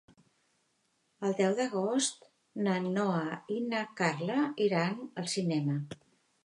El deu d'agost na Noa i na Carla iran al cinema.